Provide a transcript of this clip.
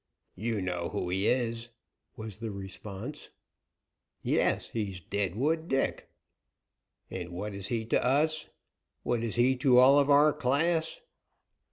"You know who he is," was the response. "Yes, he is Deadwood Dick." "And what is he to us? What is he to all of our class?"